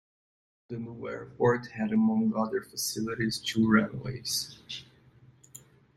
The new airport had among other facilities two runways.